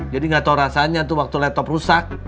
jadi nggak tau rasanya tuh waktu laptop rusak